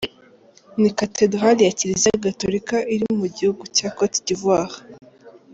Ni catedarali ya kiriliza gatorika iri mu gihugu cya Cote d’ ivoire.